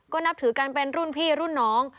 ก็นับถือกันเป็นรุ่นพี่รุ่นน้อง